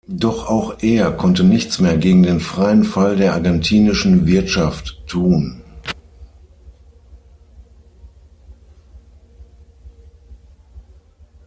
Doch auch er konnte nichts mehr gegen den freien Fall der argentinischen Wirtschaft tun.